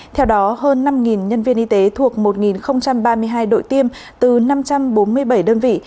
theo đó hơn năm nhân viên y tế thuộc một ba mươi hai đội tiêm từ năm trăm bốn mươi bảy đơn vị